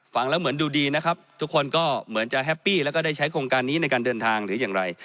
ฟังแล้วเหมือนดูดีนะครับทุกคนก็เหมือนจะแฮปปี้แล้วก็ได้ใช้โครงการนี้ในการเดินทางหรืออย่างไร